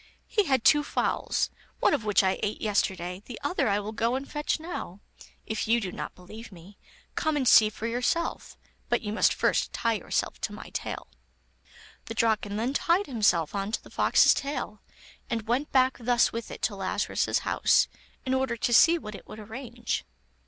He had two fowls, one of which I ate yesterday, the other I will go and fetch now if you do not believe me, come and see for yourself; but you must first tie yourself on to my tail.' The Draken then tied himself on to the fox's tail, and went back thus with it to Lazarus's house, in order to see what it would arrange.